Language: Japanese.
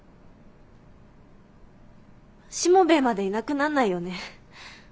しもべえまでいなくなんないよね？